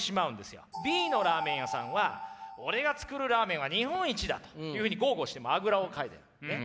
Ｂのラーメン屋さんは俺が作るラーメンは日本一だというふうに豪語してあぐらをかいてるねっ。